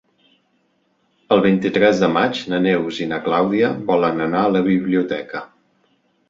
El vint-i-tres de maig na Neus i na Clàudia volen anar a la biblioteca.